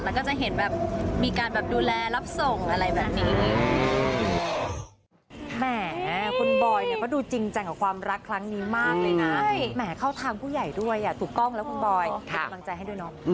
แล้วก็จะเห็นแบบมีการแบบดูแลรับส่งอะไรแบบนี้